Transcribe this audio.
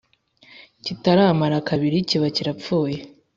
kitaramara kabiri kiba kirapfuye